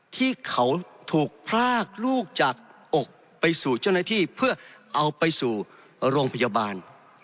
ที่เขาถูกพรากลูกจากอกไปสู่เจ้าหน้าที่เพื่อเอาไปสู่โรงพยาบาล